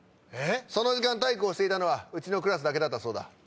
その時間体育をしていたのはうちのクラスだけだったそうだ。